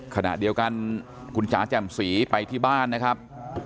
ขณะเดียวกันคุณจ๋าแจ่มสีไปที่บ้านนะครับ